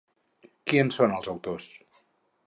Qui en són els autors?